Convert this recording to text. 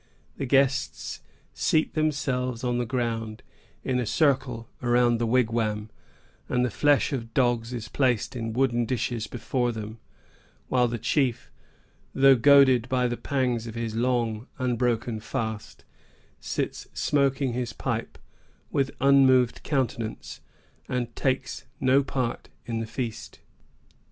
The guests seat themselves on the ground, in a circle around the wigwam, and the flesh of dogs is placed in wooden dishes before them, while the chief, though goaded by the pangs of his long, unbroken fast, sits smoking his pipe with unmoved countenance, and takes no part in the feast.